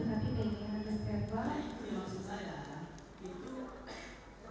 dan memposting segala macam